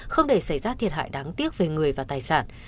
không để xảy ra thiệt hại đáng tiếc về người và tài sản